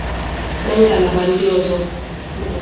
na ngalaba ndị ọzọ.